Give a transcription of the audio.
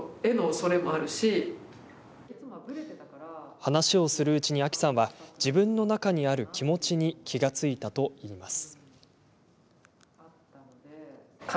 話をするうちに、アキさんは自分の中にある気持ちに気が付いたといいます。